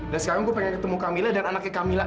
dan sekarang gue pengen ketemu kamila dan anaknya kamila